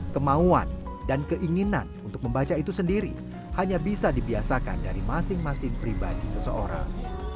kemauan dan keinginan untuk membaca itu sendiri hanya bisa dibiasakan dari masing masing pribadi seseorang